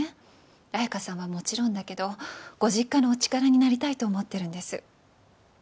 綾華さんはもちろんだけどご実家のお力になりたいと思ってるんです